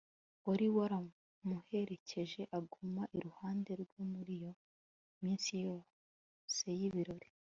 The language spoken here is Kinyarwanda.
wari waramuherekeje aguma iruhande rwe muri iyo minsi yose y'ibirori